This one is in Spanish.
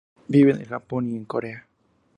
Vive en el Japón y en Corea.